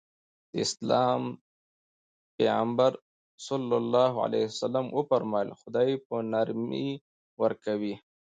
د اسلام پيغمبر ص وفرمايل خدای په نرمي ورکوي.